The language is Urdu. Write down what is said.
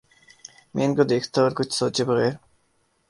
میں ان کو دیکھتا اور کچھ سوچے بغیر